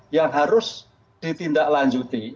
yang harus ditindak lanjuti